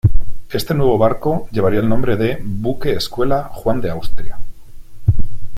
Este nuevo barco llevaría el nombre de "Buque Escuela Juan de Austria".